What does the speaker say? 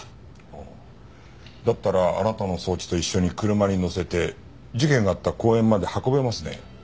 ほうだったらあなたの装置と一緒に車に載せて事件があった公園まで運べますね。